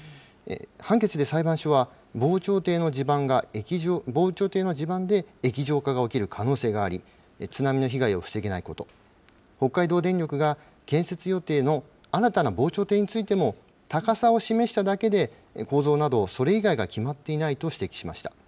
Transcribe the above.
判決で裁判所は、防潮堤の地盤で液状化が起きる可能性があり、津波の被害を防げないこと、北海道電力が建設予定の新たな防潮堤についても高さを示しただけで、構造などそれ以外が決まっていないと指摘しました。